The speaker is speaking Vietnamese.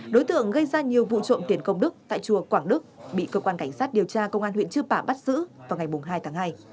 đối tượng gây ra nhiều vụ trộm tiền công đức tại chùa quảng đức bị cơ quan cảnh sát điều tra công an huyện chư pả bắt giữ vào ngày hai tháng hai